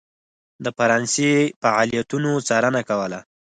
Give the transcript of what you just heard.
د فرانسې فعالیتونو څارنه کوله.